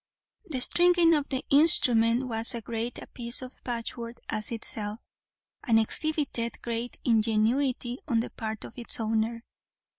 The stringing of the instrument was as great a piece of patchwork as itself, and exhibited great ingenuity on the part of its owner.